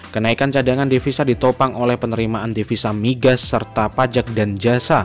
kenaikan cadangan devisa ditopang oleh penerimaan devisa migas serta pajak dan jasa